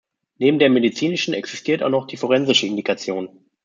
Neben der medizinischen existiert auch noch die forensische Indikation.